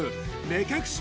目隠し